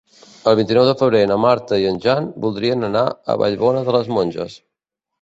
El vint-i-nou de febrer na Marta i en Jan voldrien anar a Vallbona de les Monges.